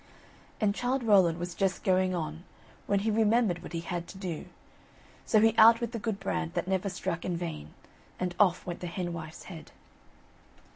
And Childe Rowland was just going on, when he remembered what he had to do; so he out with the good brand, that never struck in vain, and off went the hen wife's head.